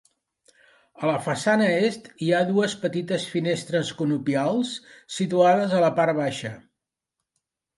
A la façana est hi ha dues petites finestres conopials situades a la part baixa.